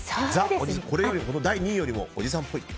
第２位よりも、おじさんっぽい。